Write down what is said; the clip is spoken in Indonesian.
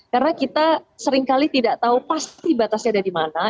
karena kita seringkali tidak tahu pasti batasnya ada di mana